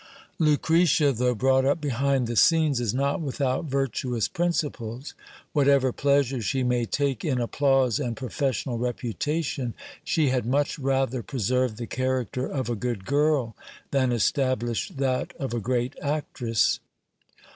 Lucretia, though brought up behind the scenes, is not without virtuous princi ples ; whatever pleasure she may take in applause and professional reputation, THE KING'S PASSION FOR LUC RET I A. 427 she had much rather preseive the character of a good girl, than establish that of a great actress.